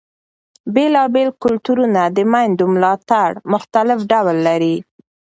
بېلابېل کلتورونه د مېندو ملاتړ مختلف ډول لري.